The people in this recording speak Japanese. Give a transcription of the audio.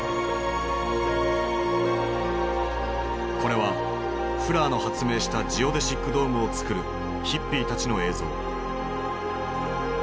これはフラーの発明したジオデシックドームをつくるヒッピーたちの映像。